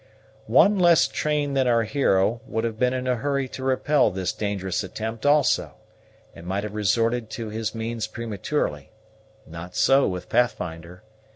One less trained than our hero would have been in a hurry to repel this dangerous attempt also, and might have resorted to his means prematurely; not so with Pathfinder.